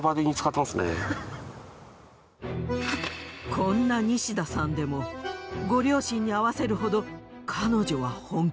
こんなニシダさんでもご両親に会わせるほど彼女は本気。